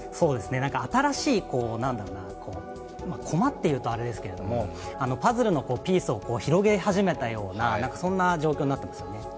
新しい、駒というとあれですけどパズルのピースを広げ始めたようなそんな状況になっていますね。